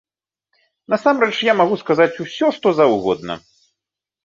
Насамрэч, я магу сказаць усё, што заўгодна.